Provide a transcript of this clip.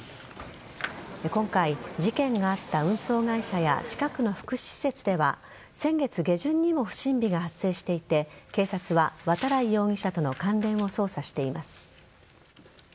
今回、事件があった運送会社や近くの福祉施設では先月下旬にも不審火が発生していて警察は渡来容疑者との関連を捜査しています。